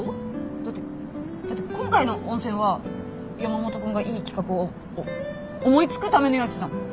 だってだって今回の温泉は山本君がいい企画をおっ思い付くためのやつだもん